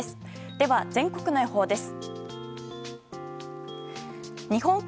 では、全国の予報です。